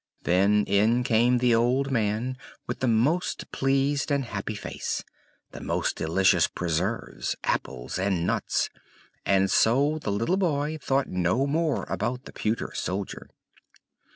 Then in came the old man with the most pleased and happy face, the most delicious preserves, apples, and nuts, and so the little boy thought no more about the pewter soldier.